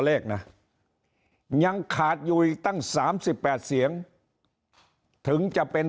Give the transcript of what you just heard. เลขนะยังขาดอยู่อีกตั้ง๓๘เสียงถึงจะเป็น